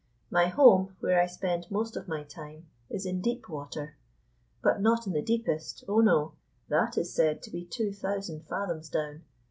My home, where I spend most of my time, is in deep water. But not in the deepest, oh, no! That is said to be two thousand fathoms down.